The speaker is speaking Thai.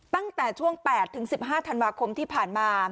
ตั้งแต่ช่วง๘๑๕ธันวาคมที่ผ่านมา